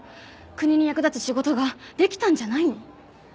国に役立つ仕事ができたんじゃないの？